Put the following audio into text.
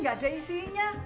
gak ada isinya